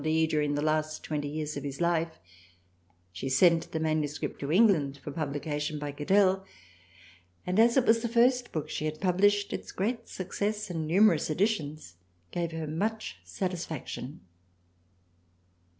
D. during the last twenty years of his Life," THRALIANA 47 She sent the MS. to England for publication by Cadell, and as it was the first book she had published its great success and numerous editions gave her much satisfaction.